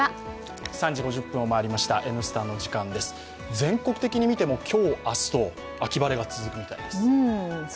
全国的に見ても今日、明日と秋晴れが続くみたいです。